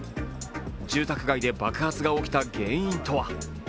住宅街で爆発が起きた原因とは。